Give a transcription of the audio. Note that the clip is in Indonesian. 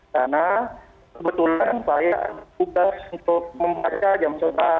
karena kebetulan saya berubah untuk membaca jam sebelas